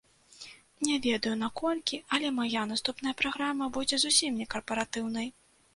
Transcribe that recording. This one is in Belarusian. Не ведаю, наколькі, але мая наступная праграма будзе зусім не карпаратыўнай.